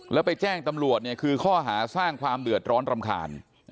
แล้วไปแจ้งตำรวจเนี่ยคือข้อหาสร้างความเดือดร้อนรำคาญ